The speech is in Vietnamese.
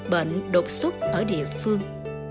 bệnh đột xuất ở địa phương